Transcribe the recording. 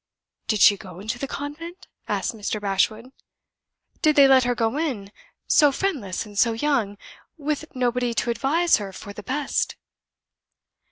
"Did she go into the convent?" asked Mr. Bashwood. "Did they let her go in, so friendless and so young, with nobody to advise her for the best?"